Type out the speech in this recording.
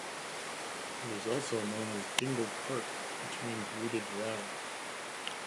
It is also known as Dingle Park which means wooded valley.